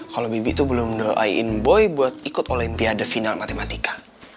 kalau bibi itu belum mendoain boy buat ikut olimpiade final matematika